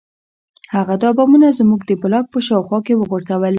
هغه دا بمونه زموږ د بلاک په شاوخوا کې وغورځول